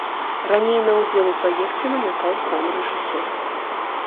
Раней на ўдзел у праекце намякаў сам рэжысёр.